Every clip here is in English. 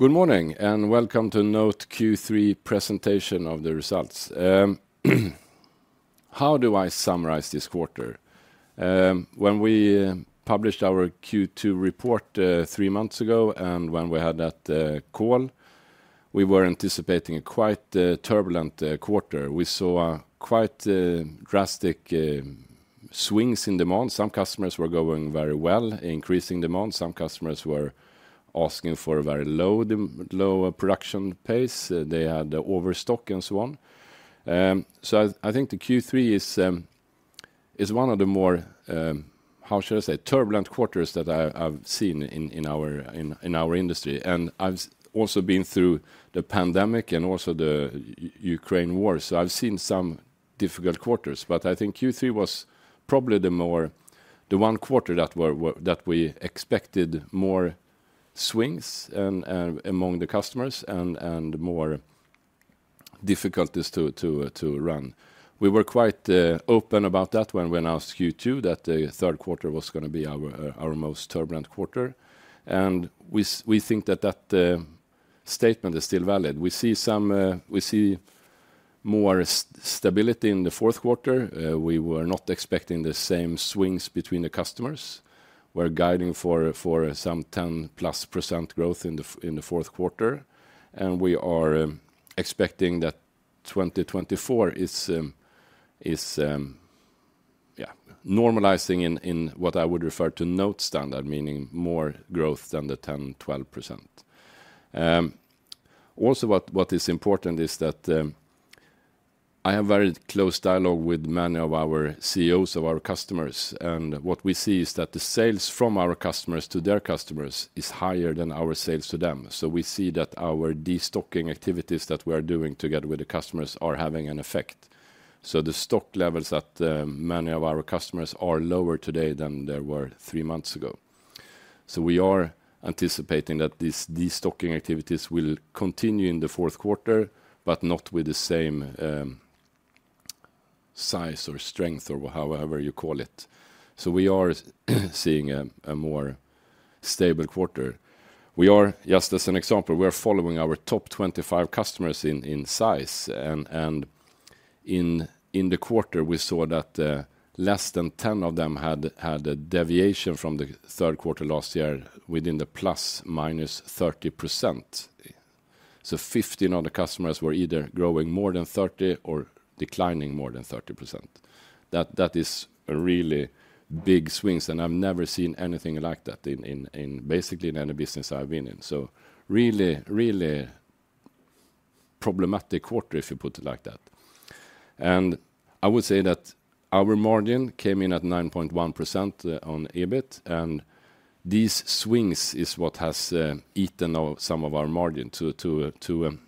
Good morning, and welcome to NOTE Q3 presentation of the results. How do I summarize this quarter? When we published our Q2 report three months ago, and when we had that call, we were anticipating a quite turbulent quarter. We saw a quite drastic swings in demand. Some customers were going very well, increasing demand. Some customers were asking for a very low lower production pace. They had overstock and so on. So I think the Q3 is one of the more, how should I say, turbulent quarters that I've seen in our industry, and I've also been through the pandemic and also the Ukraine war. So I've seen some difficult quarters, but I think Q3 was probably the more... The one quarter that we expected more swings and among the customers, and more difficulties to run. We were quite open about that when we announced Q2, that the third quarter was gonna be our most turbulent quarter, and we think that that statement is still valid. We see some, we see more stability in the fourth quarter. We were not expecting the same swings between the customers. We're guiding for some 10%+ growth in the fourth quarter, and we are expecting that 2024 is, yeah, normalizing in what I would refer to NOTE standard, meaning more growth than the 10%-12%. Also, what is important is that I have very close dialogue with many of our CEOs of our customers, and what we see is that the sales from our customers to their customers is higher than our sales to them. So we see that our de-stocking activities that we are doing together with the customers are having an effect. So the stock levels at many of our customers are lower today than they were three months ago. So we are anticipating that these de-stocking activities will continue in the fourth quarter, but not with the same size or strength or however you call it. So we are seeing a more stable quarter. We are, just as an example, we are following our top 25 customers in size, and in the quarter, we saw that less than 10 of them had a deviation from the third quarter last year within the ±30%. So 15 other customers were either growing more than 30% or declining more than 30%. That is a really big swings, and I've never seen anything like that in basically in any business I've been in. So really, really problematic quarter, if you put it like that. And I would say that our margin came in at 9.1% on EBIT, and these swings is what has eaten up some of our margin. To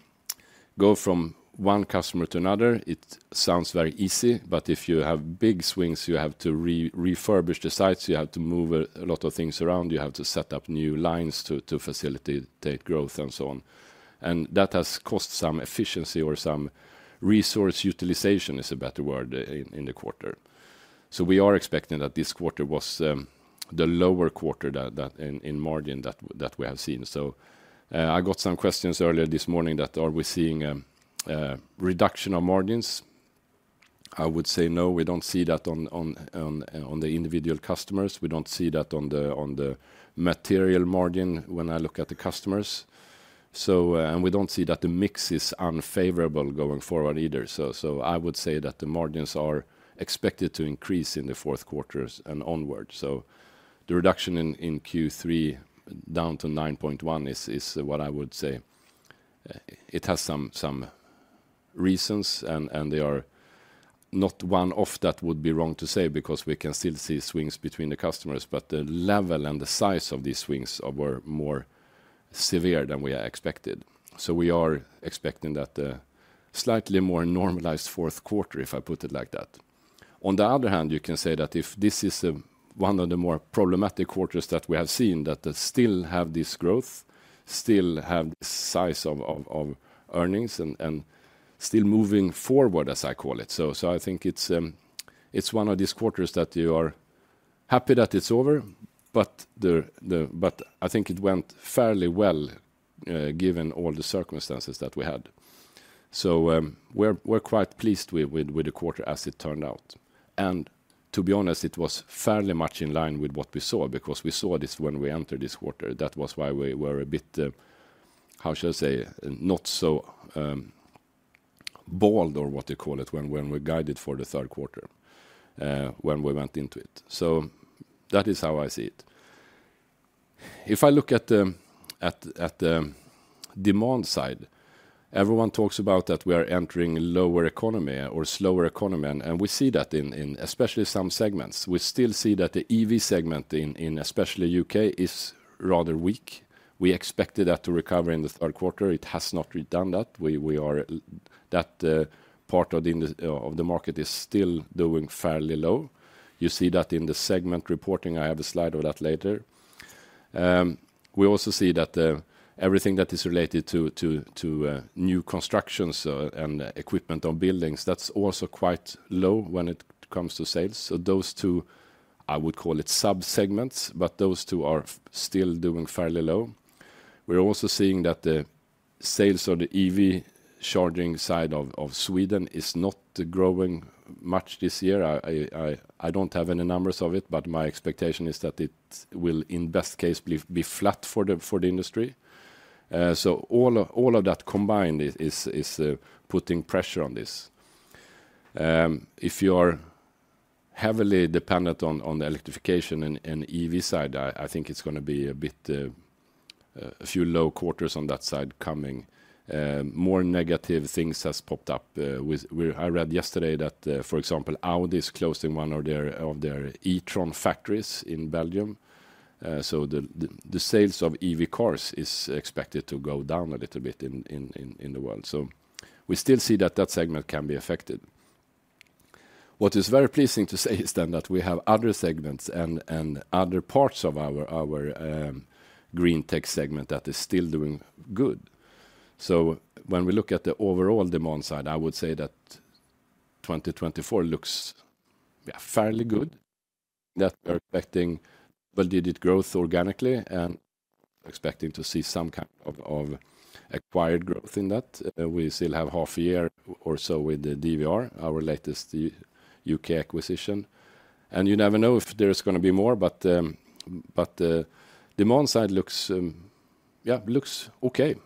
go from one customer to another, it sounds very easy, but if you have big swings, you have to refurbish the sites, you have to move a lot of things around, you have to set up new lines to facilitate growth and so on. And that has cost some efficiency or some resource utilization is a better word in the quarter. So we are expecting that this quarter was the lower quarter that in margin that we have seen. So I got some questions earlier this morning that, are we seeing a reduction of margins? I would say, no, we don't see that on the individual customers. We don't see that on the material margin when I look at the customers. And we don't see that the mix is unfavorable going forward either. So I would say that the margins are expected to increase in the fourth quarters and onwards. So the reduction in Q3 down to 9.1% is what I would say. It has some reasons, and they are not one that would be wrong to say, because we can still see swings between the customers, but the level and the size of these swings were more severe than we had expected. So we are expecting a slightly more normalized fourth quarter, if I put it like that. On the other hand, you can say that if this is one of the more problematic quarters that we have seen, that they still have this growth, still have the size of earnings and still moving forward, as I call it. So I think it's one of these quarters that you are happy that it's over, but I think it went fairly well, given all the circumstances that we had. So we're quite pleased with the quarter as it turned out, and to be honest, it was fairly much in line with what we saw, because we saw this when we entered this quarter. That was why we were a bit, how should I say? Not so bold or what you call it, when we guided for the third quarter, when we went into it. So that is how I see it. If I look at the demand side, everyone talks about that we are entering a lower economy or slower economy, and we see that in especially some segments. We still see that the EV segment in especially U.K. is rather weak. We expected that to recover in the third quarter. It has not really done that. We are low. That part of the industry of the market is still doing fairly low. You see that in the segment reporting. I have a slide of that later. We also see that everything that is related to new constructions and equipment on buildings, that's also quite low when it comes to sales. So those two—I would call it sub-segments, but those two are still doing fairly low. We're also seeing that the sales on the EV charging side of Sweden is not growing much this year. I don't have any numbers of it, but my expectation is that it will, in best case, be flat for the industry. So all of that combined is putting pressure on this. If you are heavily dependent on the electrification and EV side, I think it's going to be a bit a few low quarters on that side coming. More negative things has popped up, I read yesterday that, for example, Audi is closing one of their e-tron factories in Belgium. So the sales of EV cars is expected to go down a little bit in the world, so we still see that segment can be affected. What is very pleasing to say is then that we have other segments and other parts of our Greentech segment that is still doing good. So when we look at the overall demand side, I would say that 2024 looks fairly good, that we are expecting double-digit growth organically, and expecting to see some kind of acquired growth in that. We still have half a year or so with the DVR, our latest UK acquisition, and you never know if there is going to be more, but the demand side looks, yeah, looks okay.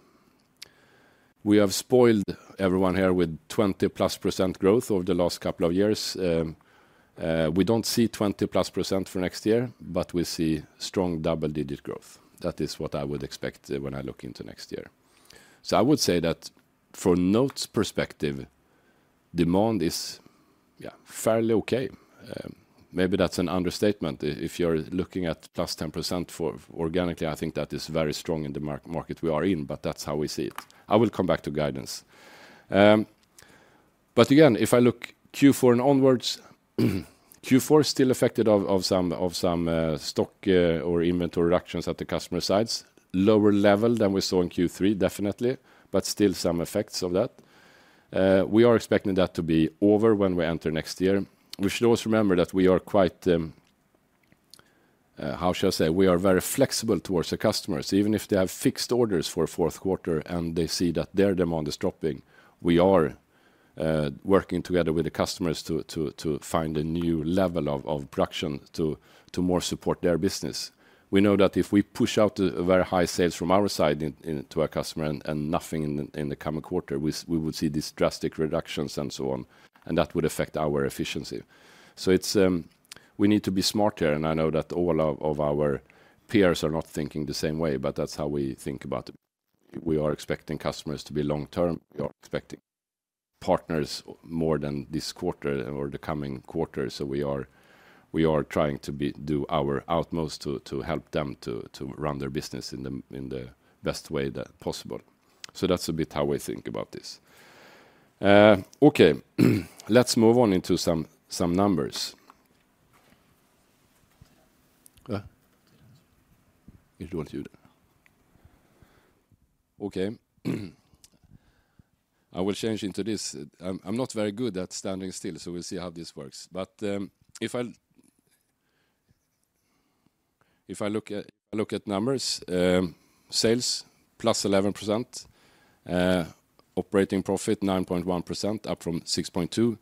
We have spoiled everyone here with 20+% growth over the last couple of years. We don't see 20+% for next year, but we see strong double-digit growth. That is what I would expect, when I look into next year. So I would say that from NOTE's perspective, demand is, yeah, fairly okay. Maybe that's an understatement. If you're looking at +10% for organically, I think that is very strong in the market we are in, but that's how we see it. I will come back to guidance. But again, if I look Q4 and onwards, Q4 is still affected by some stock or inventory reductions at the customer sides. Lower level than we saw in Q3, definitely, but still some effects of that. We are expecting that to be over when we enter next year. We should also remember that we are quite, how shall I say? We are very flexible towards the customers. Even if they have fixed orders for fourth quarter and they see that their demand is dropping, we are working together with the customers to find a new level of production to more support their business. We know that if we push out very high sales from our side into our customer and nothing in the coming quarter, we would see these drastic reductions and so on, and that would affect our efficiency. So it's, we need to be smarter, and I know that all of our peers are not thinking the same way, but that's how we think about it. We are expecting customers to be long-term. We are expecting partners more than this quarter or the coming quarter, so we are trying to do our utmost to help them to run their business in the best way that possible. So that's a bit how we think about this. Okay, let's move on into some numbers. You want to do that? Okay. I will change into this. I'm not very good at standing still, so we'll see how this works. But, if I... If I look at, look at numbers, sales +11%, operating profit 9.1%, up from 6.2.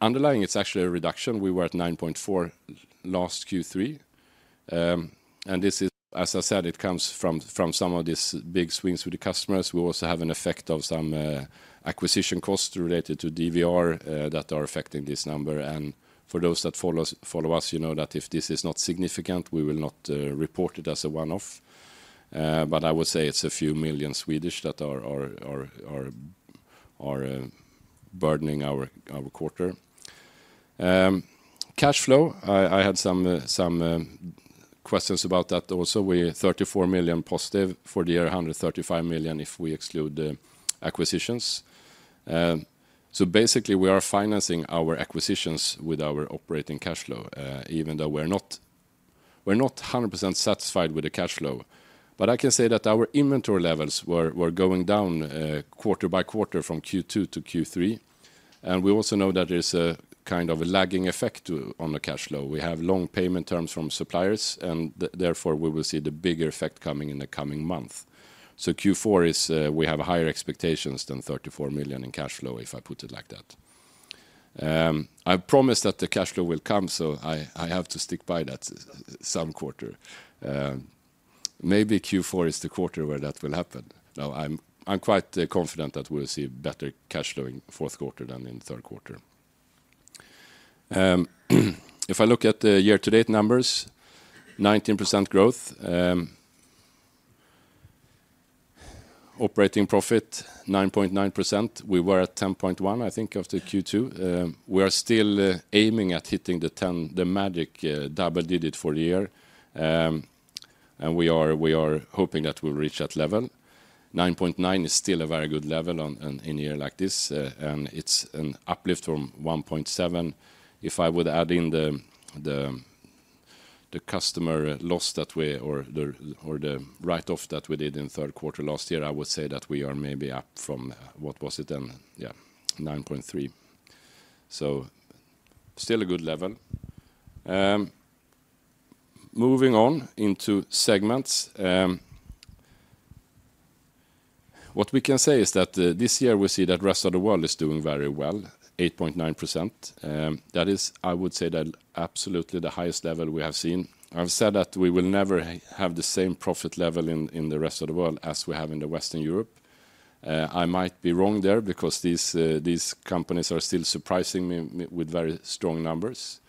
Underlying, it's actually a reduction. We were at 9.4 last Q3. And this is, as I said, it comes from some of these big swings with the customers. We also have an effect of some acquisition costs related to DVR that are affecting this number. And for those that follow us, you know that if this is not significant, we will not report it as a one-off. But I would say it's a few million SEK that are burdening our quarter. Cash flow, I had some questions about that also, where 34 million positive for the year, 135 million, if we exclude the acquisitions. So basically, we are financing our acquisitions with our operating cash flow, even though we're not 100% satisfied with the cash flow. But I can say that our inventory levels were going down quarter by quarter from Q2 to Q3, and we also know that there's a kind of a lagging effect on the cash flow. We have long payment terms from suppliers, and therefore, we will see the bigger effect coming in the coming month. So Q4, we have higher expectations than 34 million in cash flow, if I put it like that. I promise that the cash flow will come, so I, I have to stick by that some quarter. Maybe Q4 is the quarter where that will happen. Now, I'm, I'm quite confident that we'll see better cash flow in fourth quarter than in third quarter. If I look at the year-to-date numbers, 19% growth, operating profit, 9.9%. We were at 10.1%, I think, after Q2. We are still aiming at hitting the 10%, the magic double digit for the year. And we are, we are hoping that we'll reach that level. 9.9 is still a very good level on an, in a year like this, and it's an uplift from 1.7%. If I would add in the, the-... The customer loss that we, or the, or the write-off that we did in third quarter last year, I would say that we are maybe up from, what was it then? Yeah, 9.3%. So still a good level. Moving on into segments. What we can say is that this year we see that rest of the world is doing very well, 8.9%. That is, I would say, that absolutely the highest level we have seen. I've said that we will never have the same profit level in the rest of the world as we have in Western Europe. I might be wrong there because these companies are still surprising me with very strong numbers.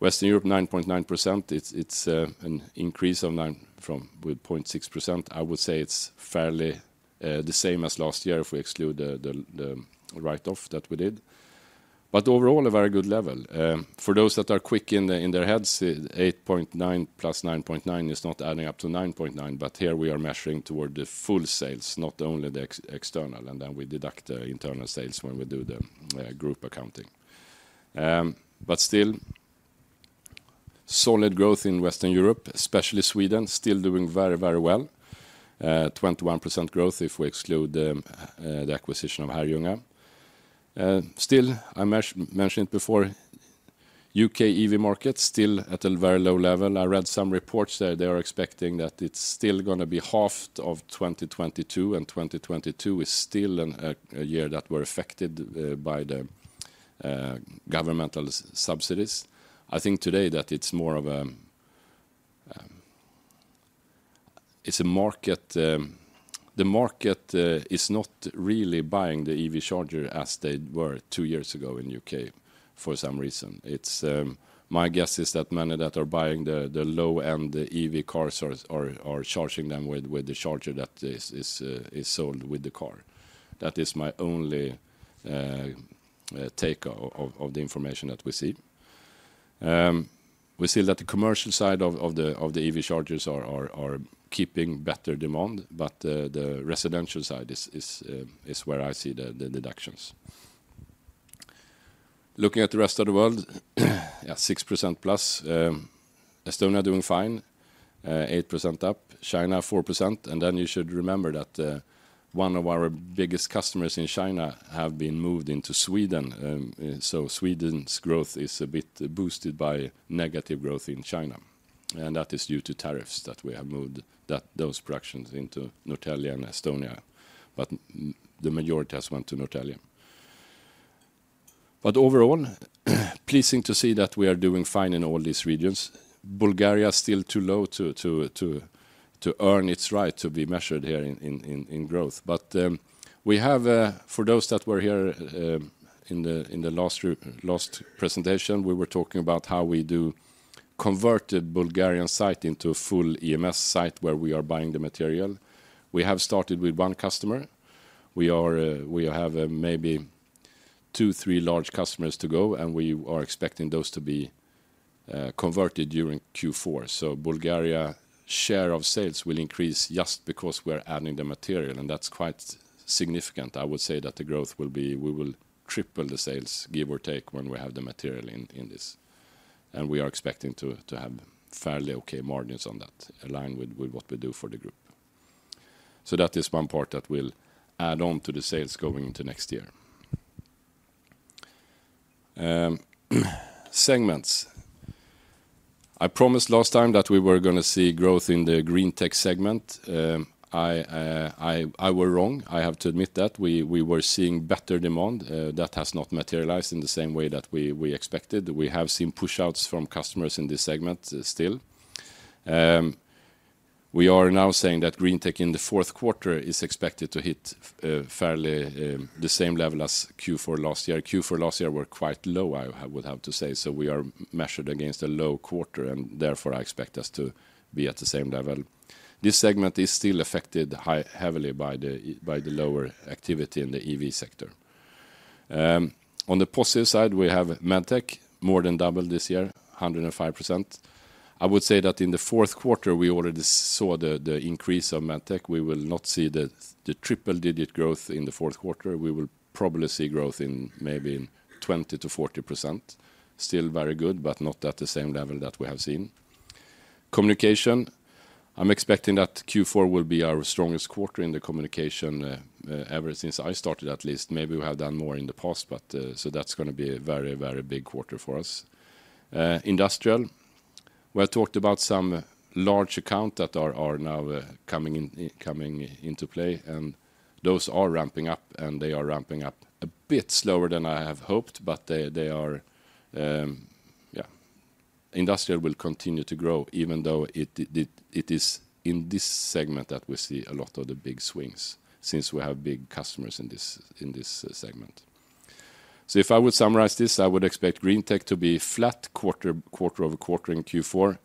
Western Europe, 9.9%, it's an increase of 9% from 0.6%. I would say it's fairly, the same as last year, if we exclude the write-off that we did, but overall, a very good level. For those that are quick in their heads, 8.9% plus 9.9% is not adding up to 9.9%, but here we are measuring toward the full sales, not only the ex-external, and then we deduct the internal sales when we do the group accounting. But still, solid growth in Western Europe, especially Sweden, still doing very, very well. 21% growth if we exclude the acquisition of Herrljunga. Still, I mentioned it before, U.K. EV market still at a very low level. I read some reports that they are expecting that it's still gonna be half of 2022, and 2022 is still a year that we're affected by the governmental subsidies. I think today that it's more of a. It's a market, the market, is not really buying the EV charger as they were two years ago in UK for some reason. It's my guess is that many that are buying the low-end EV cars are charging them with the charger that is sold with the car. That is my only take on the information that we see. We see that the commercial side of the EV chargers are keeping better demand, but the residential side is where I see the deductions. Looking at the rest of the world, yeah, 6%+, Estonia doing fine, eight percent up, China, 4%. And then you should remember that, one of our biggest customers in China have been moved into Sweden, so Sweden's growth is a bit boosted by negative growth in China, and that is due to tariffs that we have moved, that those productions into Norrtälje and Estonia, but the majority has went to Norrtälje. But overall, pleasing to see that we are doing fine in all these regions. Bulgaria, still too low to earn its right to be measured here in growth. But, we have, for those that were here, in the, in the last group, last presentation, we were talking about how we do converted Bulgarian site into a full EMS site where we are buying the material. We have started with one customer. We are, we have, maybe two, three large customers to go, and we are expecting those to be, converted during Q4. So Bulgaria share of sales will increase just because we're adding the material, and that's quite significant. I would say that the growth will be, we will triple the sales, give or take, when we have the material in, in this. And we are expecting to, to have fairly okay margins on that, aligned with, with what we do for the group. So that is one part that will add on to the sales going into next year. Segments. I promised last time that we were gonna see growth in the Greentech segment. I were wrong, I have to admit that. We were seeing better demand that has not materialized in the same way that we expected. We have seen pushouts from customers in this segment, still. We are now saying that Greentech in the fourth quarter is expected to hit fairly the same level as Q4 last year. Q4 last year were quite low, I would have to say, so we are measured against a low quarter, and therefore, I expect us to be at the same level. This segment is still affected high, heavily by the lower activity in the EV sector. On the positive side, we have Medtech, more than double this year, 105%. I would say that in the fourth quarter, we already saw the increase of Medtech. We will not see the triple-digit growth in the fourth quarter. We will probably see growth in maybe 20%-40%. Still very good, but not at the same level that we have seen. Communication, I'm expecting that Q4 will be our strongest quarter in the Communication ever since I started, at least. Maybe we have done more in the past, but so that's gonna be a very, very big quarter for us. Industrial. We have talked about some large account that are now coming in, coming into play, and those are ramping up, and they are ramping up a bit slower than I have hoped, but they are. Industrial will continue to grow, even though it is in this segment that we see a lot of the big swings, since we have big customers in this segment. So if I would summarize this, I would expect Greentech to be flat quarter-over-quarter in Q4.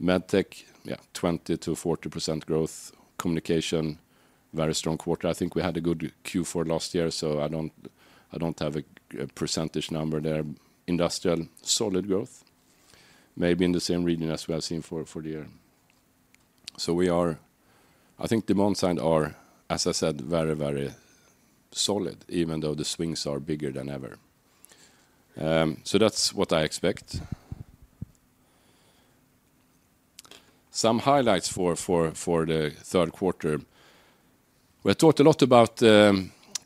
Medtech, yeah, 20%-40% growth. Communication, very strong quarter. I think we had a good Q4 last year, so I don't have a percentage number there. Industrial, solid growth, maybe in the same region as we have seen for the year. So we are, I think demand side are, as I said, very, very solid, even though the swings are bigger than ever. So that's what I expect. Some highlights for the third quarter. We talked a lot about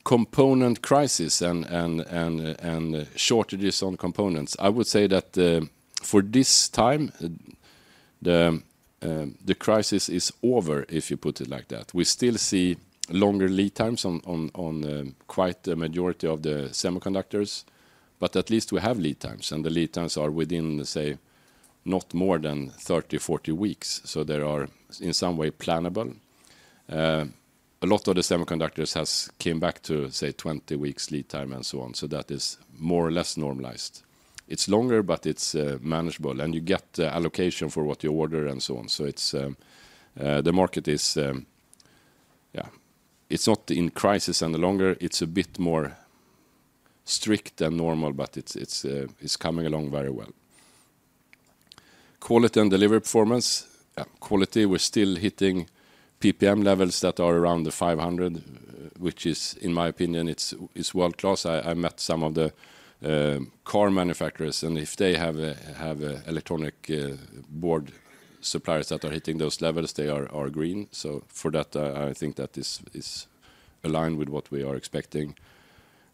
component crisis and shortages on components. I would say that for this time the crisis is over, if you put it like that. We still see longer lead times on quite the majority of the semiconductors, but at least we have lead times, and the lead times are within, say, not more than 30, 40 weeks, so they are in some way plannable. A lot of the semiconductors has came back to, say, 20 weeks lead time and so on, so that is more or less normalized. It's longer, but it's manageable, and you get allocation for what you order and so on. So it's the market is yeah, it's not in crisis any longer. It's a bit more strict than normal, but it's coming along very well. Quality and delivery performance. Quality, we're still hitting PPM levels that are around 500, which is, in my opinion, world-class. I met some of the car manufacturers, and if they have an electronic board suppliers that are hitting those levels, they are green. So for that, I think that is aligned with what we are expecting.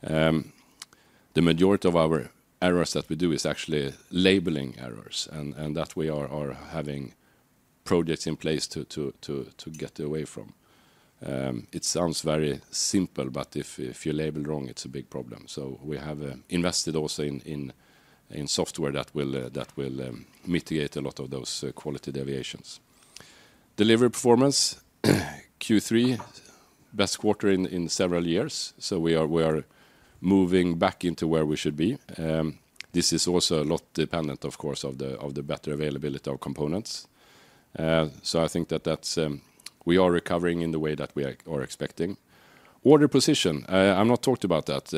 The majority of our errors that we do is actually labeling errors, and that we are having projects in place to get away from. It sounds very simple, but if you label wrong, it's a big problem. So we have invested also in software that will mitigate a lot of those quality deviations. Delivery performance, Q3, best quarter in several years, so we are moving back into where we should be. This is also a lot dependent, of course, on the better availability of components. So I think that that's we are recovering in the way that we are expecting. Order position, I've not talked about that.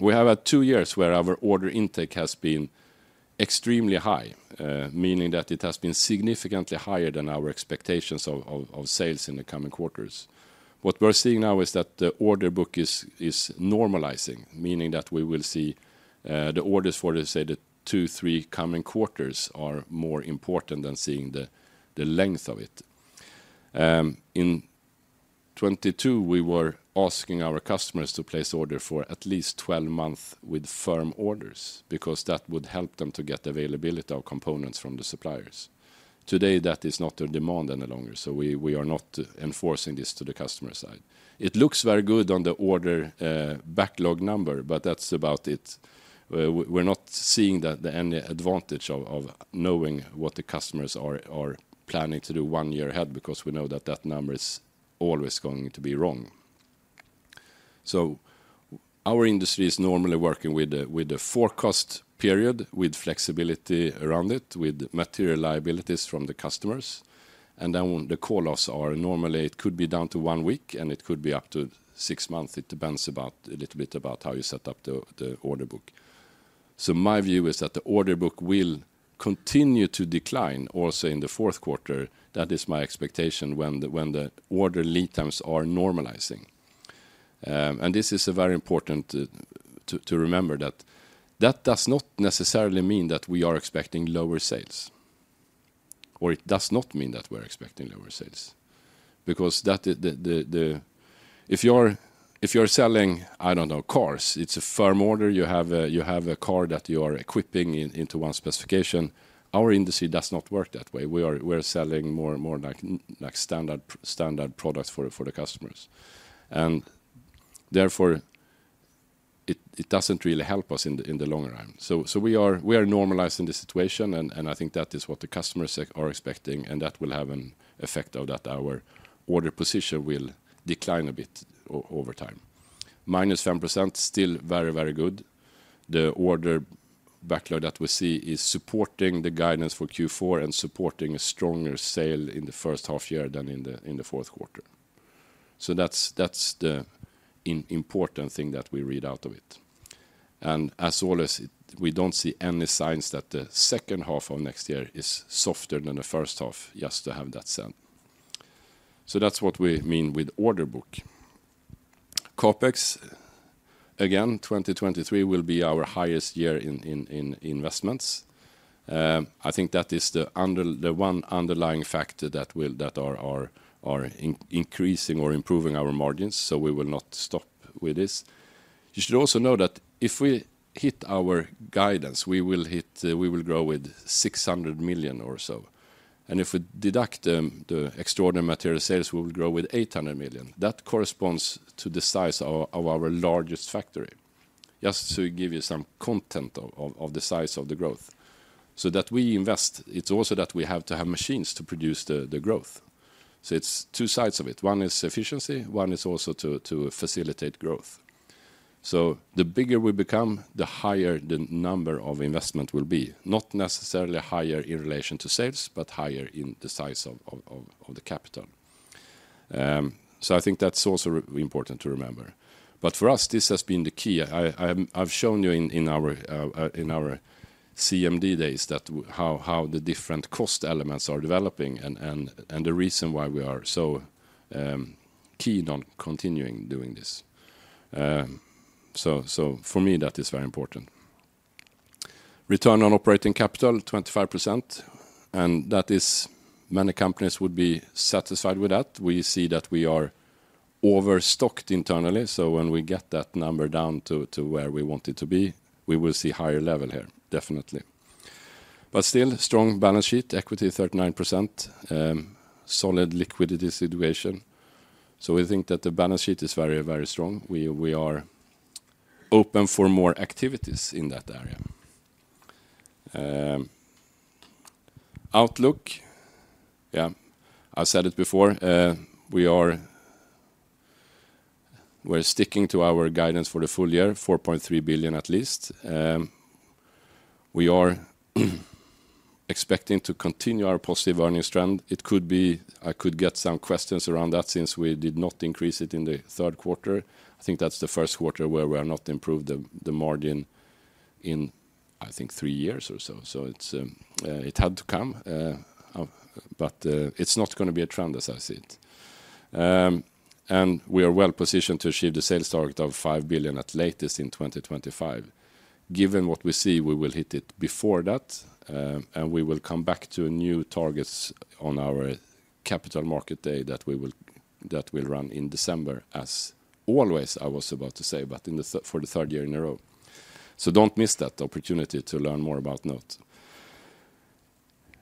We have had two years where our order intake has been extremely high, meaning that it has been significantly higher than our expectations of sales in the coming quarters. What we're seeing now is that the order book is normalizing, meaning that we will see the orders for, say, the two to three coming quarters are more important than seeing the length of it. In 2022, we were asking our customers to place orders for at least 12 months with firm orders, because that would help them to get availability of components from the suppliers. Today, that is not a demand any longer, so we are not enforcing this to the customer side. It looks very good on the order backlog number, but that's about it. We're not seeing any advantage of knowing what the customers are planning to do one year ahead, because we know that that number is always going to be wrong. So our industry is normally working with a forecast period, with flexibility around it, with material liabilities from the customers, and then when the call-offs are normally, it could be down to one week, and it could be up to six months. It depends a little bit about how you set up the order book. So my view is that the order book will continue to decline also in the fourth quarter. That is my expectation when the order lead times are normalizing. And this is very important to remember that that does not necessarily mean that we are expecting lower sales, or it does not mean that we're expecting lower sales. Because that is the... If you're selling, I don't know, cars, it's a firm order. You have a car that you are equipping into one specification. Our industry does not work that way. We are selling more and more like standard products for the customers. And therefore, it doesn't really help us in the long run. So we are normalizing the situation, and I think that is what the customers are expecting, and that will have an effect of that our order position will decline a bit over time. -10%, still very good. The order backlog that we see is supporting the guidance for Q4 and supporting a stronger sale in the first half year than in the fourth quarter. So that's the important thing that we read out of it. As always, we don't see any signs that the second half of next year is softer than the first half, just to have that said. So that's what we mean with order book. CapEx, again, 2023 will be our highest year in investments. I think that is the one underlying factor that are increasing or improving our margins, so we will not stop with this. You should also know that if we hit our guidance, we will hit, we will grow with 600 million or so. And if we deduct the extraordinary material sales, we will grow with 800 million. That corresponds to the size of our largest factory. Just to give you some content of the size of the growth. So that we invest, it's also that we have to have machines to produce the growth. So it's two sides of it. One is efficiency, one is also to facilitate growth. So the bigger we become, the higher the number of investment will be. Not necessarily higher in relation to sales, but higher in the size of the capital. So I think that's also important to remember. But for us, this has been the key. I've shown you in our CMD days that how the different cost elements are developing and the reason why we are so keen on continuing doing this. So for me, that is very important. Return on operating capital, 25%, and that is many companies would be satisfied with that. We see that we are overstocked internally, so when we get that number down to where we want it to be, we will see higher level here, definitely. But still, strong balance sheet, equity 39%, solid liquidity situation, so we think that the balance sheet is very, very strong. We are open for more activities in that area. Outlook, yeah, I've said it before, we are, we're sticking to our guidance for the full year, 4.3 billion at least. We are expecting to continue our positive earnings trend. It could be, I could get some questions around that since we did not increase it in the third quarter. I think that's the first quarter where we have not improved the margin in, I think, three years or so. So it's, it had to come, but, it's not gonna be a trend as I see it. And we are well positioned to achieve the sales target of 5 billion at latest in 2025. Given what we see, we will hit it before that, and we will come back to new targets on our Capital Markets Day that we will-- that will run in December, as always, I was about to say, but in the th- for the third year in a row. So don't miss that opportunity to learn more about NOTE.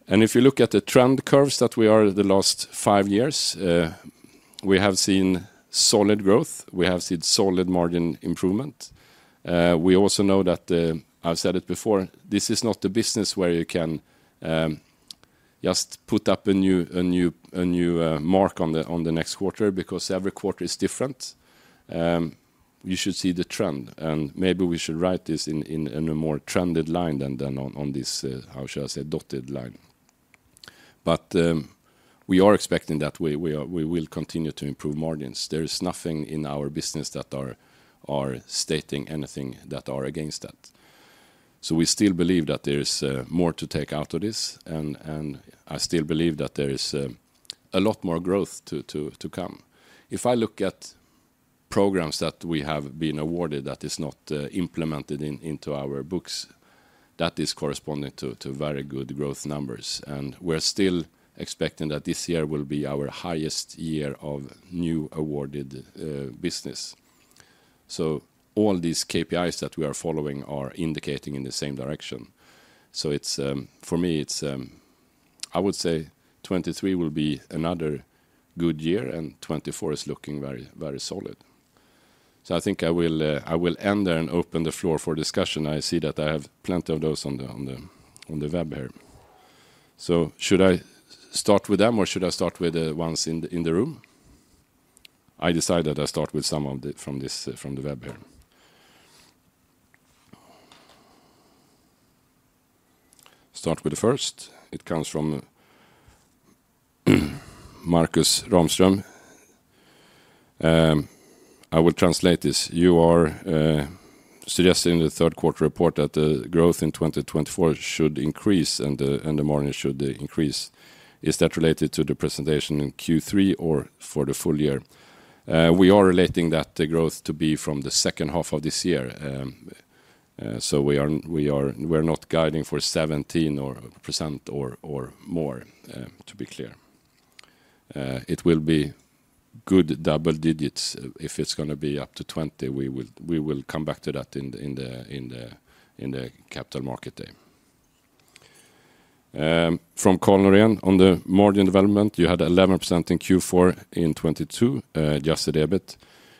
And if you look at the trend curves that we are the last five years, we have seen solid growth. We have seen solid margin improvement. We also know that, I've said it before, this is not the business where you can just put up a new mark on the next quarter, because every quarter is different. You should see the trend, and maybe we should write this in a more trended line than on this how should I say, dotted line. But we are expecting that we will continue to improve margins. There is nothing in our business that are stating anything that are against that. So we still believe that there is more to take out of this, and I still believe that there is a lot more growth to come. If I look at programs that we have been awarded that is not implemented in, into our books, that is corresponding to, to very good growth numbers, and we're still expecting that this year will be our highest year of new awarded business. So all these KPIs that we are following are indicating in the same direction. So it's for me, it's I would say 2023 will be another good year, and 2024 is looking very, very solid. So I think I will I will end there and open the floor for discussion. I see that I have plenty of those on the, on the, on the web here. So should I start with them, or should I start with the ones in the, in the room? I decide that I start with some of the, from this, from the web here. Start with the first. It comes from Marcus Ramström. I will translate this. You are suggesting in the third quarter report that the growth in 2024 should increase, and the margin should increase. Is that related to the presentation in Q3 or for the full year? We are relating that the growth to be from the second half of this year. So we are not guiding for 17% or more, to be clear. It will be good double digits. If it's gonna be up to 20%, we will come back to that in the Capital Markets Day. From Karl Norén, on the margin development, you had 11% in Q4 in 2022, just a bit.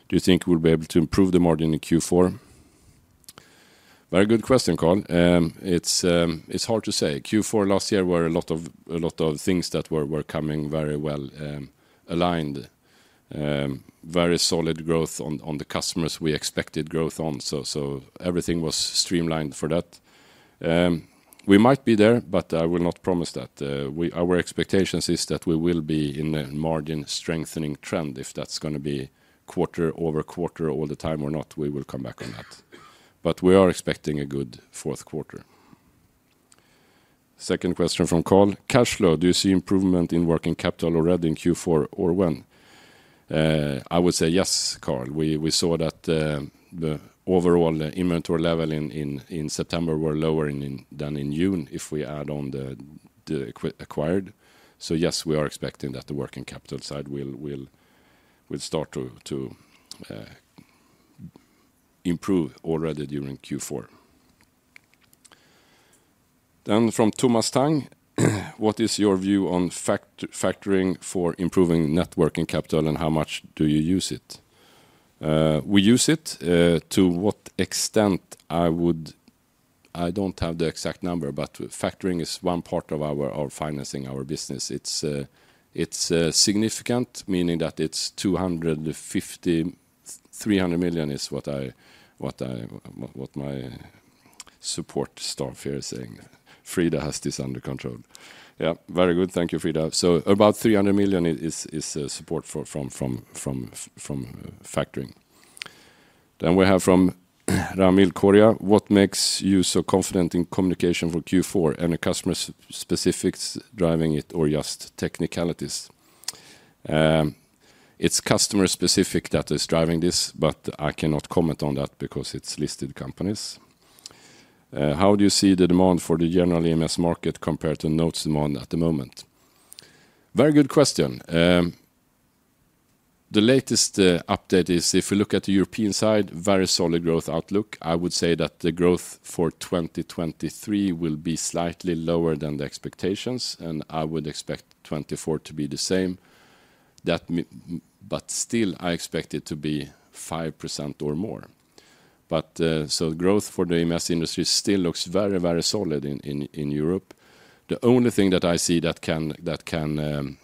Do you think we'll be able to improve the margin in Q4? Very good question, Carl. It's hard to say. Q4 last year were a lot of things that were coming very well aligned. Very solid growth on the customers we expected growth on, so everything was streamlined for that. We might be there, but I will not promise that. Our expectations is that we will be in a margin-strengthening trend. If that's gonna be quarter-over-quarter all the time or not, we will come back on that. But we are expecting a good fourth quarter. Second question from Carl: Cash flow, do you see improvement in working capital already in Q4 or when? I would say yes, Carl. We saw that the overall inventory level in September was lower than in June if we add on the acquired. So yes, we are expecting that the working capital side will start to improve already during Q4. Then from Thomas Tang, "What is your view on factoring for improving net working capital, and how much do you use it?" We use it to what extent? I would... I don't have the exact number, but factoring is one part of our financing, our business. It's significant, meaning that it's 250 million-300 million is what I... Support staff here saying Frida has this under control. Yeah, very good. Thank you, Frida. So about 300 million is support from factoring. Then we have from Ramil Koria: What makes you so confident in communication for Q4? Any customer specifics driving it or just technicalities? It's customer specific that is driving this, but I cannot comment on that because it's listed companies. How do you see the demand for the general EMS market compared to NOTE's demand at the moment? Very good question. The latest update is if you look at the European side, very solid growth outlook. I would say that the growth for 2023 will be slightly lower than the expectations, and I would expect 2024 to be the same. That but still, I expect it to be 5% or more. So growth for the EMS industry still looks very, very solid in Europe. The only thing that I see that can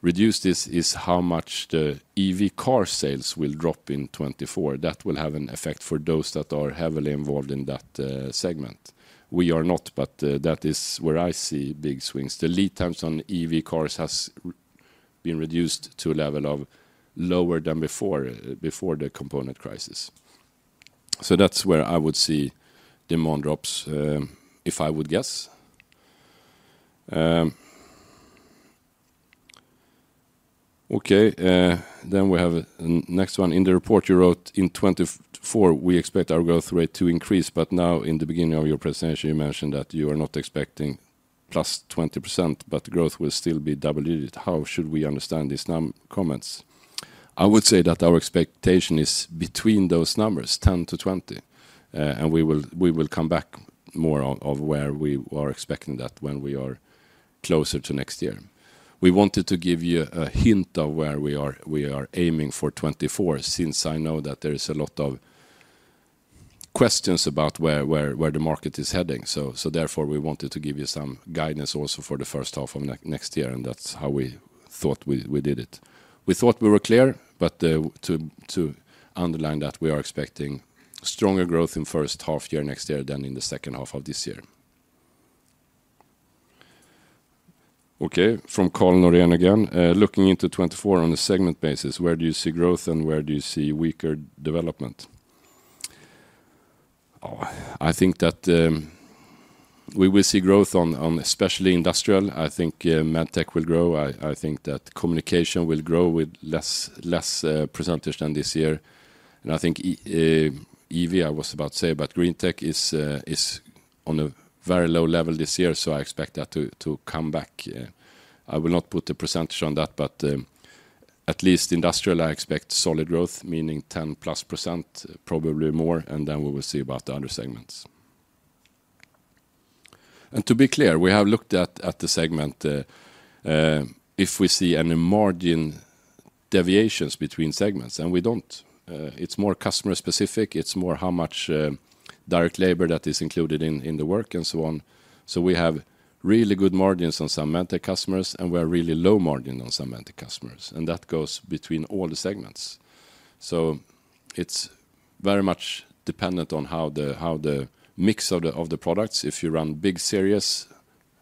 reduce this is how much the EV car sales will drop in 2024. That will have an effect for those that are heavily involved in that segment. We are not, but that is where I see big swings. The lead times on EV cars has been reduced to a level of lower than before the component crisis. So that's where I would see demand drops, if I would guess. Okay, then we have the next one. In the report you wrote, "In 2024, we expect our growth rate to increase," but now in the beginning of your presentation, you mentioned that you are not expecting +20%, but growth will still be double-digit. How should we understand these numbers, comments? I would say that our expectation is between those numbers, 10%-20%, and we will come back more on where we are expecting that when we are closer to next year. We wanted to give you a hint of where we are aiming for 2024, since I know that there is a lot of questions about where the market is heading. So therefore, we wanted to give you some guidance also for the first half of next year, and that's how we thought we did it. We thought we were clear, but to underline that, we are expecting stronger growth in first half year, next year than in the second half of this year. Okay, from Karl Norén again. Looking into 2024 on a segment basis, where do you see growth and where do you see weaker development? Oh, I think that we will see growth on especially Industrial. I think Medtech will grow. I think that Communication will grow with less percentage than this year. And I think EV, I was about to say, but Greentech is on a very low level this year, so I expect that to come back. I will not put a percentage on that, but at least Industrial, I expect solid growth, meaning 10%+, probably more, and then we will see about the other segments. To be clear, we have looked at the segment if we see any margin deviations between segments, and we don't. It's more customer specific, it's more how much direct labor that is included in the work and so on. So we have really good margins on some Medtech customers, and we have really low margin on some Medtech customers, and that goes between all the segments. So it's very much dependent on how the mix of the products. If you run big series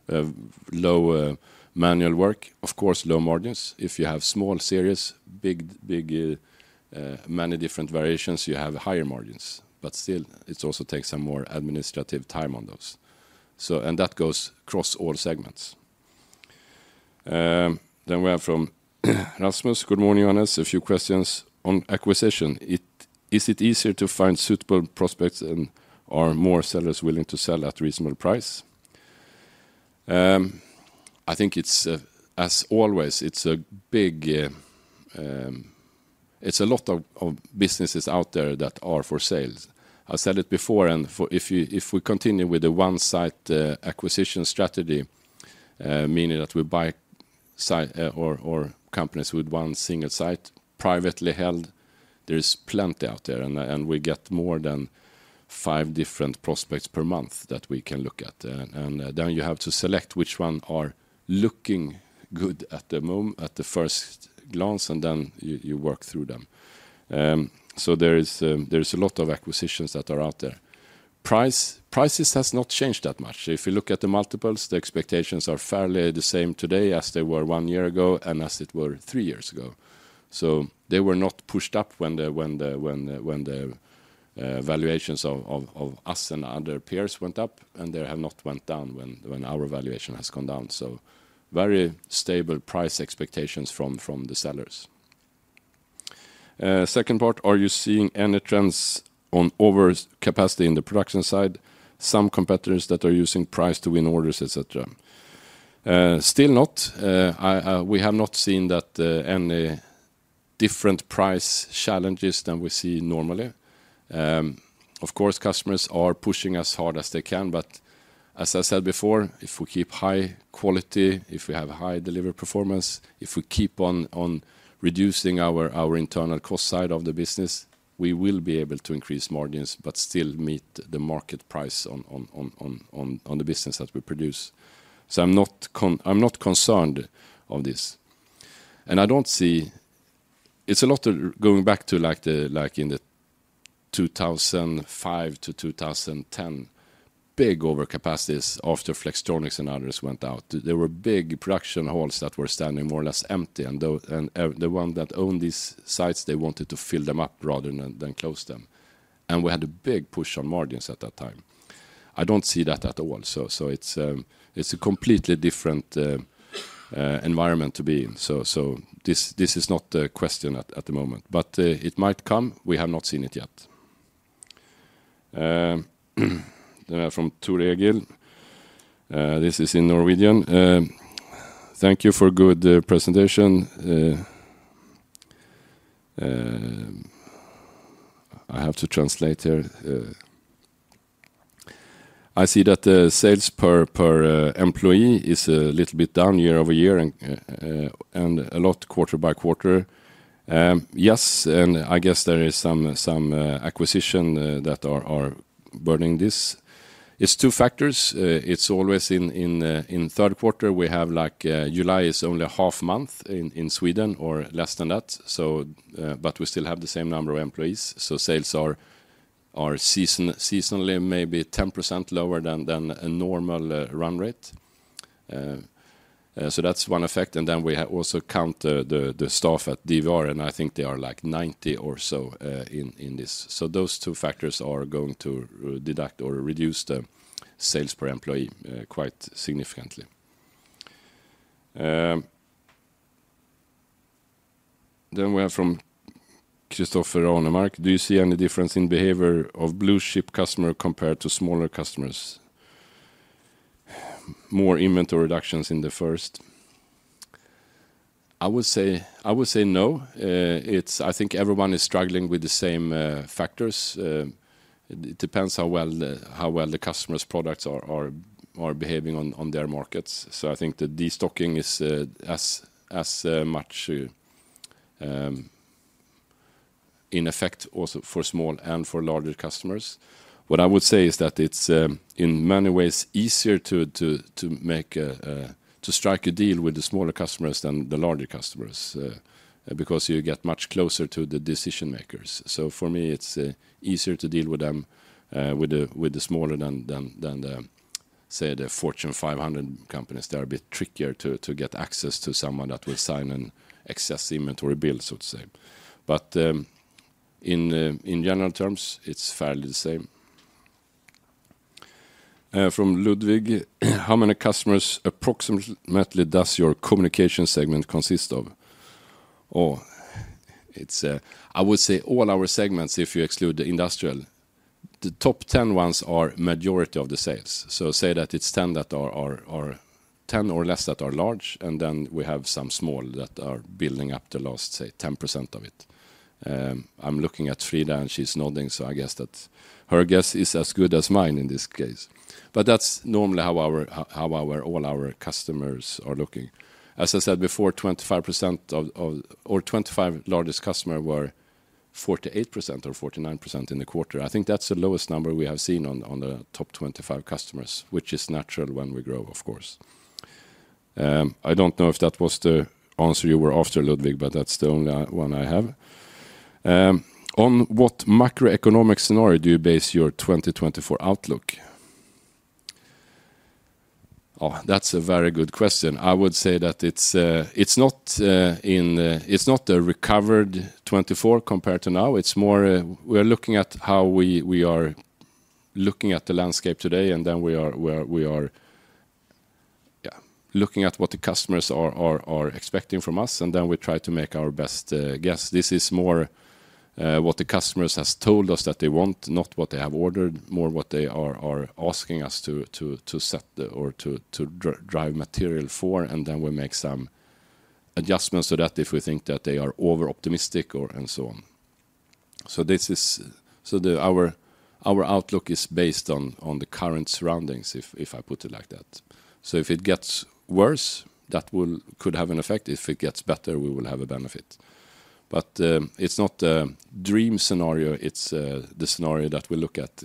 of low manual work, of course, low margins. If you have small series, big, big many different variations, you have higher margins, but still, it also takes some more administrative time on those. So, and that goes across all segments. Then we have from Rasmus. Good morning, Johannes. A few questions on acquisition. Is it easier to find suitable prospects, and are more sellers willing to sell at reasonable price? I think it's, as always, it's a big. It's a lot of businesses out there that are for sale. I said it before, and, if we continue with the one site acquisition strategy, meaning that we buy site or companies with one single site, privately held, there is plenty out there, and we get more than five different prospects per month that we can look at. And then you have to select which one are looking good at the first glance, and then you work through them. So there is a lot of acquisitions that are out there. Prices has not changed that much. If you look at the multiples, the expectations are fairly the same today as they were one year ago and as it were three years ago. So they were not pushed up when the valuations of us and other peers went up, and they have not went down when our valuation has gone down. So very stable price expectations from the sellers. Second part, are you seeing any trends on overcapacity in the production side, some competitors that are using price to win orders, et cetera? Still not. We have not seen that any different price challenges than we see normally. Of course, customers are pushing as hard as they can, but as I said before, if we keep high quality, if we have high delivery performance, if we keep on reducing our internal cost side of the business, we will be able to increase margins, but still meet the market price on the business that we produce. So I'm not concerned of this, and I don't see... It's a lot of going back to, like, the, like, in the 2005-2010 big overcapacities after Flextronics and others went out. There were big production halls that were standing more or less empty, and the one that owned these sites, they wanted to fill them up rather than close them, and we had a big push on margins at that time. I don't see that at all, so it's a completely different environment to be in. So this is not the question at the moment, but it might come. We have not seen it yet. From [Turagil], this is in Norwegian. Thank you for good presentation. I have to translate here. I see that the sales per employee is a little bit down year-over-year and a lot quarter-over-quarter. Yes, and I guess there is some acquisitions that are burning this. It's two factors. It's always in third quarter, we have like July is only a half month in Sweden or less than that, so but we still have the same number of employees. So sales are seasonally maybe 10% lower than a normal run rate. So that's one effect, and then we also count the staff at DVR, and I think they are like 90 or so in this. So those two factors are going to deduct or reduce the sales per employee quite significantly. Then we have from [Christopher Annemark]: "Do you see any difference in behavior of blue-chip customer compared to smaller customers? More inventory reductions in the first." I would say no. It's... I think everyone is struggling with the same factors. It depends how well the customer's products are behaving on their markets. So I think the destocking is as much in effect also for small and for larger customers. What I would say is that it's in many ways easier to strike a deal with the smaller customers than the larger customers, because you get much closer to the decision makers. So for me, it's easier to deal with them, with the smaller than the, say, the Fortune 500 companies. They are a bit trickier to get access to someone that will sign an excess inventory bill, so to say. But in general terms, it's fairly the same. From Ludwig: "How many customers approximately does your communication segment consist of?" Oh, it's I would say all our segments, if you exclude the industrial, the top 10 ones are majority of the sales. So say that it's 10% that are 10% or less that are large, and then we have some small that are building up the last, say, 10% of it. I'm looking at Frida, and she's nodding, so I guess that her guess is as good as mine in this case. But that's normally how our all our customers are looking. As I said before, 25% of, of... or 25 largest customer were 48% or 49% in the quarter. I think that's the lowest number we have seen on the, on the top 25 customers, which is natural when we grow, of course. I don't know if that was the answer you were after, Ludwig, but that's the only one I have. "On what macroeconomic scenario do you base your 2024 outlook?" Oh, that's a very good question. I would say that it's, it's not, in... it's not a recovered 2024 compared to now. It's more, we're looking at how we are looking at the landscape today, and then we are, we are, yeah, looking at what the customers are expecting from us, and then we try to make our best guess. This is more, what the customers has told us that they want, not what they have ordered, more what they are asking us to set or to drive material for, and then we make some adjustments to that if we think that they are overoptimistic, and so on. So this is. So our outlook is based on the current surroundings, if I put it like that. So if it gets worse, that could have an effect. If it gets better, we will have a benefit. But it's not a dream scenario. It's the scenario that we look at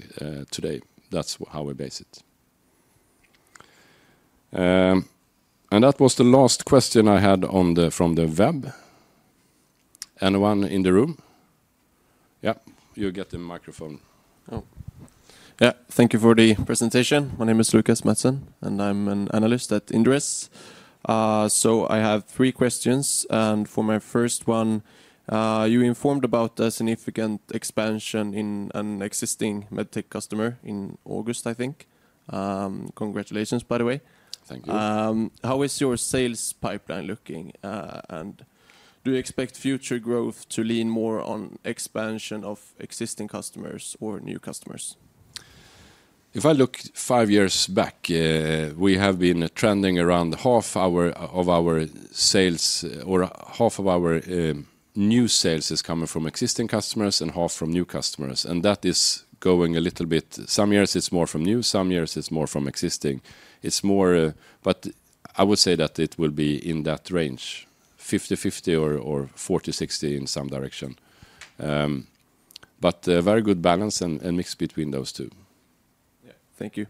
today. That's how we base it. And that was the last question I had from the web. Anyone in the room? Yep, you get the microphone. Oh, yeah. Thank you for the presentation. My name is Lucas Mattsson, and I'm an Analyst at Inderes. So I have three questions, and for my first one, you informed about a significant expansion in an existing Medtech customer in August, I think. Congratulations, by the way. Thank you. How is your sales pipeline looking, and do you expect future growth to lean more on expansion of existing customers or new customers? If I look five years back, we have been trending around half of our sales or half of our new sales is coming from existing customers and half from new customers, and that is going a little bit some years it's more from new, some years it's more from existing. It's more. But I would say that it will be in that range, 50/50 or 40/60 in some direction. But a very good balance and mix between those two.... Thank you.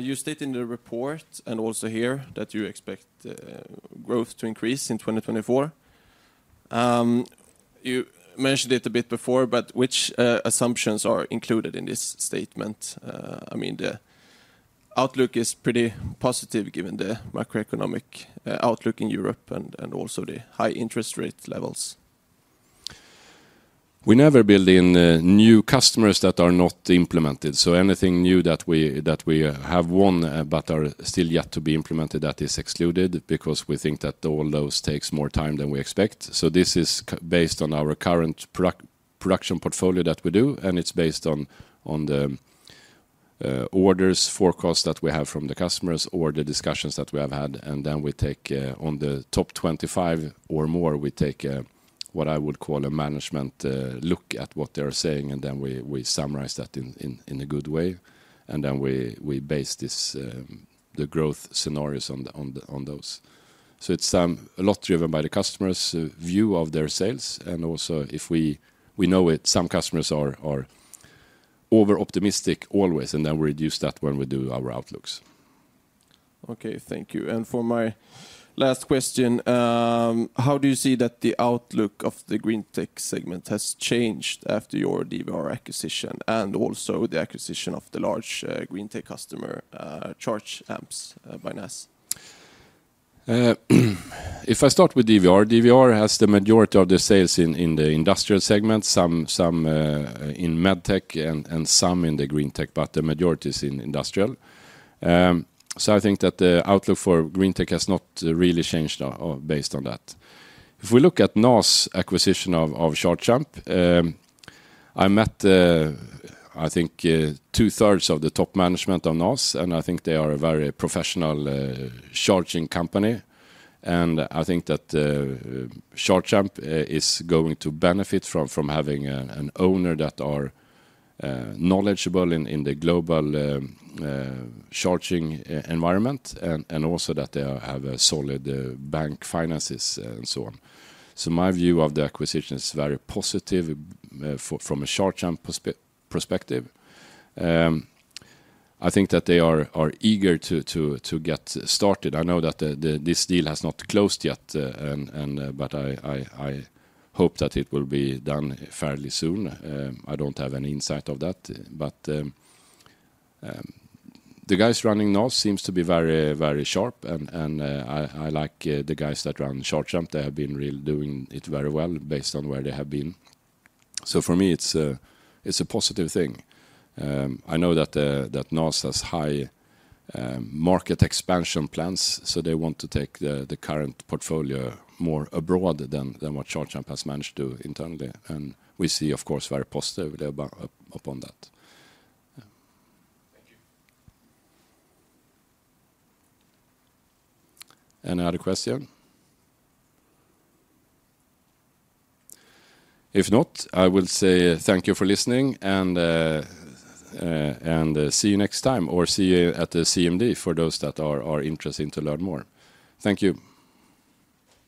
You state in the report, and also here, that you expect growth to increase in 2024. You mentioned it a bit before, but which assumptions are included in this statement? I mean, the outlook is pretty positive given the macroeconomic outlook in Europe and also the high interest rate levels. We never build in new customers that are not implemented, so anything new that we have won but are still yet to be implemented, that is excluded because we think that all those takes more time than we expect. So this is based on our current production portfolio that we do, and it's based on the orders, forecasts that we have from the customers or the discussions that we have had. And then we take on the top 25 or more, we take what I would call a management look at what they're saying, and then we summarize that in a good way. And then we base this the growth scenarios on the those. So it's a lot driven by the customer's view of their sales, and also if we know it, some customers are over-optimistic always, and then we reduce that when we do our outlooks. Okay, thank you. And for my last question, how do you see that the outlook of the Greentech segment has changed after your DVR acquisition, and also the acquisition of the large, Greentech customer, Charge Amps, by NaaS? If I start with DVR, DVR has the majority of the sales in the Industrial segment, some in Medtech and some in the Greentech, but the majority is in Industrial. So I think that the outlook for Greentech has not really changed based on that. If we look at NaaS acquisition of Charge Amps, I met, I think, two-thirds of the top management of NaaS, and I think they are a very professional charging company. And I think that Charge Amps is going to benefit from having an owner that are knowledgeable in the global charging environment and also that they have a solid bank finances and so on. So my view of the acquisition is very positive, from a Charge Amps perspective. I think that they are eager to get started. I know that this deal has not closed yet, and but I hope that it will be done fairly soon. I don't have any insight of that, but the guys running NaaS seems to be very, very sharp, and I like the guys that run Charge Amps. They have been really doing it very well based on where they have been. So for me, it's a positive thing. I know that NaaS has high market expansion plans, so they want to take the current portfolio more abroad than what Charge Amps has managed to do internally, and we see, of course, very positive upon that. Thank you. Any other question? If not, I will say thank you for listening, and see you next time or see you at the CMD for those that are interested to learn more. Thank you.